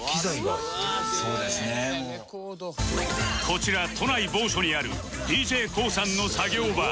こちら都内某所にある ＤＪＫＯＯ さんの作業場